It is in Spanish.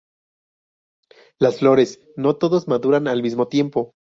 Las flores no todos maduran al mismo tiempo.